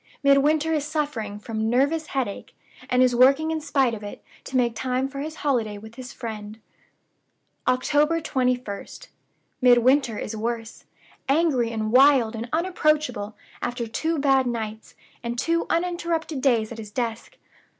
Midwinter is suffering from nervous headache; and is working in spite of it, to make time for his holiday with his friend." "October 21st. Midwinter is worse. Angry and wild and unapproachable, after two bad nights, and two uninterrupted days at his desk.